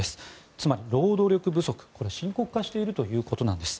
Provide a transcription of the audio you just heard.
つまり労働力不足これは深刻化しているということなんです。